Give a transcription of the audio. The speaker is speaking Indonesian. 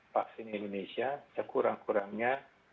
vaksin indonesia sekurang kurangnya